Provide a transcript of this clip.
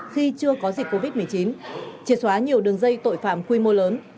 khi chưa có dịch covid một mươi chín triệt xóa nhiều đường dây tội phạm quy mô lớn